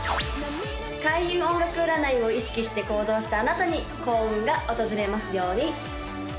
開運音楽占いを意識して行動したあなたに幸運が訪れますように！